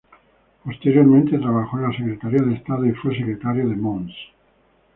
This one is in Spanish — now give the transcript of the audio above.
Posteriormente trabajó en la Secretaría de Estado y fue secretario de Mons.